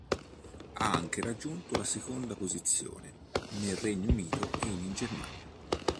Ha anche raggiunto la seconda posizione nel Regno Unito e in Germania.